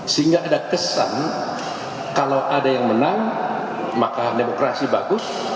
sehingga ada kesan kalau ada yang menang maka demokrasi bagus